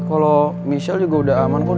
kalo misel udah aman kok udah sampai rumah